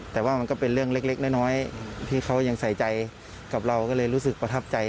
แต่ว่ามันก็เป็นเรื่องเล็กน้อยที่เขายังใส่ใจกับเราก็เลยรู้สึกประทับใจ